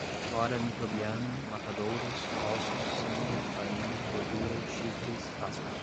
flora microbiana, matadouros, ossos, sangue, farinha, gordura, chifres, cascos